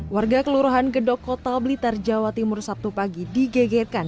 warga kelurahan gedok kota blitar jawa timur sabtu pagi digegetkan